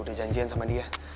udah janjian sama dia